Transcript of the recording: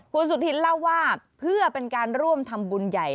คุณสุธินเล่าว่าเพื่อเป็นการร่วมทำบุญใหญ่